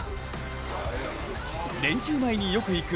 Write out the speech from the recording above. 練習前によく行く